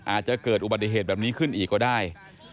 อาจจะเกิดอุบัติเหตุแบบนี้ขึ้นอีกก็ได้